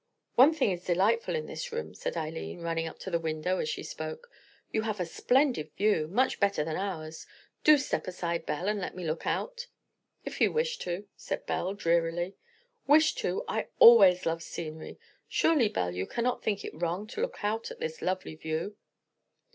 "One thing is delightful in this room," said Eileen, running up to the window as she spoke. "You have a splendid view—much better than ours. Do step aside, Belle, and let me look out." "If you wish to," said Belle drearily. "Wish to! I always love scenery. Surely, Belle, you cannot think it wrong to look out at this lovely view?"